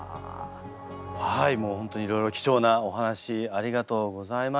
はいもう本当にいろいろ貴重なお話ありがとうございました。